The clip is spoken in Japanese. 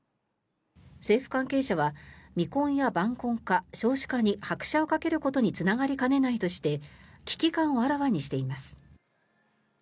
政府関係者は未婚や晩婚化、少子化に拍車をかけることにつながりかねないとして危機感をあらわにしています。